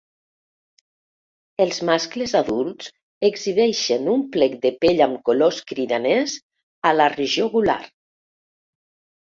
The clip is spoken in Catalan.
Els mascles adults exhibeixen un plec de pell amb colors cridaners a la regió gular.